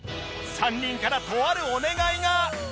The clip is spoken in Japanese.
３人からとあるお願いが